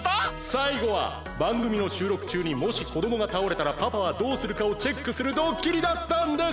最後はばんぐみのしゅうろくちゅうにもしこどもがたおれたらパパはどうするかをチェックするドッキリだったんです。